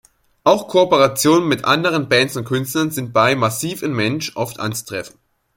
Auch Kooperationen mit anderen Bands und Künstlern sind bei Massiv in Mensch oft anzutreffen.